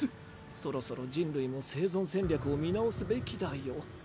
そろそろ人類も生存戦略を見直すべきだよ。